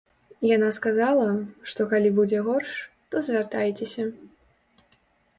Яна сказала, што калі будзе горш, то звяртайцеся.